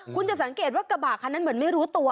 คุณจะสังเกตว่ากระบะคันนั้นเหมือนไม่รู้ตัว